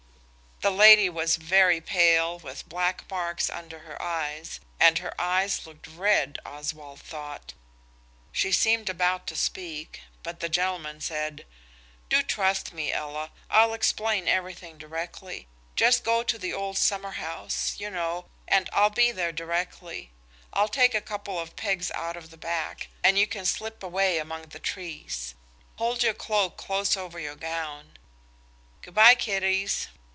The lady was very pale with black marks under her eyes, and her eyes looked red, Oswald thought. She seemed about to speak, but the gentleman said– "Do trust me, Ella. I'll explain everything directly. Just go to the old summer house–you know–and I'll be there directly. I'll take a couple of pegs out of the back and you can slip away among the trees. Hold your cloak close over your gown. Goodbye, kiddies.